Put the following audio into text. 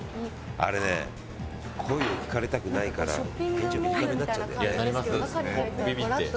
あれね声を聞かれたくないから返事短くなっちゃうんだよね。